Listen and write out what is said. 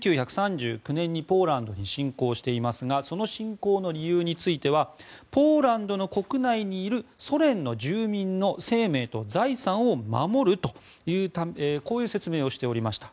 １９３９年にポーランドに侵攻していますがその侵攻の理由についてはポーランドの国内にいるソ連の住民の生命と財産を守るというこういう説明をしておりました。